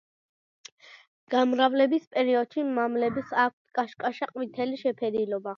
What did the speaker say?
გამრავლების პერიოდში მამლებს აქვთ კაშკაშა ყვითელი შეფერილობა.